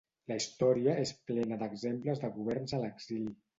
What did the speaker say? La història és plena d’exemples de governs a l’exili.